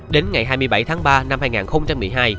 đến ngày hai mươi bảy tháng ba năm hai nghìn một mươi hai